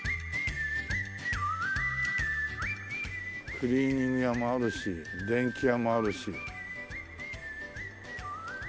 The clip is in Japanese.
クリーニング屋もあるし電器屋もあるし。